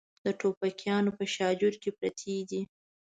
د ټوپکیانو په شاجور کې پرتې دي.